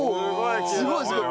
すごいすごい！